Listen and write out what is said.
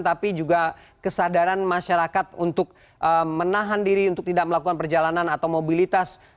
tapi juga kesadaran masyarakat untuk menahan diri untuk tidak melakukan perjalanan atau mobilitas